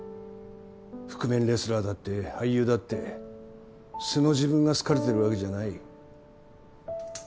覆面レスラーだって俳優だって素の自分が好かれてるわけじゃない。